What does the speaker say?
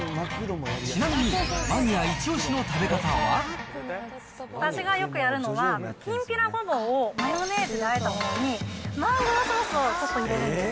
ちなみに、マニア一押しの食べ方私がよくやるのは、きんぴらごぼうをマヨネーズであえたものに、マンゴーソースをちょっと入れるんです。